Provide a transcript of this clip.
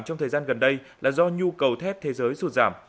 trong thời gian gần đây là do nhu cầu thép thế giới sụt giảm